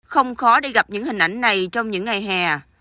không khó để gặp những hình ảnh này trong những ngày hè